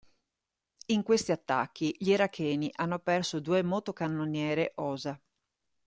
In questi attacchi gli iracheni hanno perso due motocannoniere Osa.